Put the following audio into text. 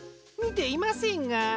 みていませんが。